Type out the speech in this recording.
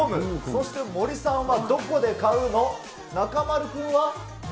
そして森さんはどこで買うの。